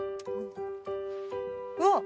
うわっ！